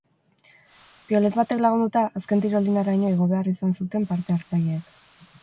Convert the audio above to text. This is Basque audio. Piolet batek lagunduta, azken tirolinaraino igo behar izan zuten parte-hartzaileek.